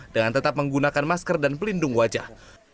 dengan tetap menggunakan masker dan pelindung wajah